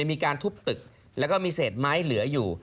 มีการทุบตึกแล้วก็มีเศษไม้เหลืออยู่